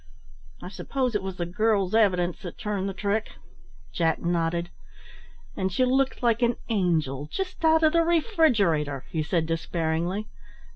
I suppose it was the girl's evidence that turned the trick?" Jack nodded. "And she looked like an angel just out of the refrigerator," he said despairingly.